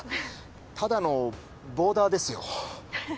ただのボーダーですよ。